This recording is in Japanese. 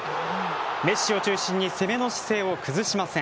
メッシを中心に攻めの姿勢を崩しません。